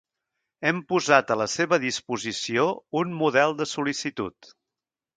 Hem posat a la seva disposició un model de sol·licitud.